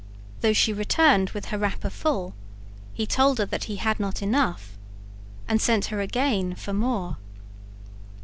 Though she returned with her wrapper full, he told her that he had not enough and sent her again for more.